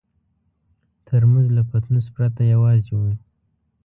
ترموز له پتنوس پرته یوازې وي.